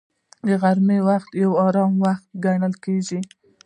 د غرمې وخت یو آرام وخت ګڼل کېږي